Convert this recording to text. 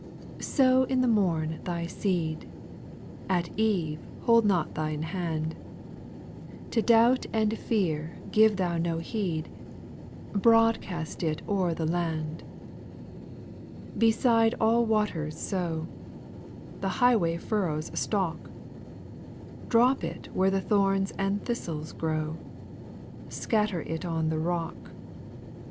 QOW in the morn thy seed, O At eve hold not thine hand ; To doubt and fear give thou no heed, — Broad cast it o'er the land. 2. Beside all waters sow, The highway furrows stock ; Drop it where thorns and thistles grow, Scatter it on the rock. 8.